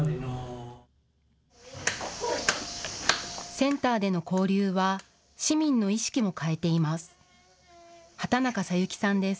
センターでの交流は市民の意識も変えています。